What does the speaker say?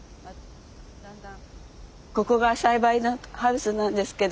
ここが栽培のハウスなんですけど。